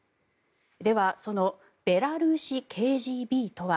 ではそのベラルーシＫＧＢとは。